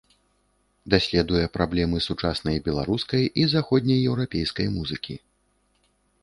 Даследуе праблемы сучаснай беларускай і заходне-еўрапейскай музыкі.